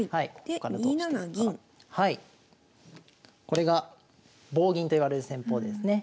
これが棒銀といわれる戦法ですね。